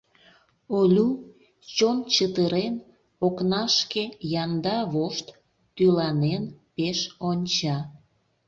Олю, чон чытырен, окнашке янда вошт тӱланен пеш онча.